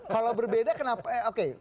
kalau berbeda kenapa oke